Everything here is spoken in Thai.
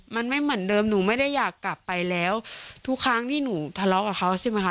มันไม่เหมือนเดิมหนูไม่ได้อยากกลับไปแล้วทุกครั้งที่หนูทะเลาะกับเขาใช่ไหมคะ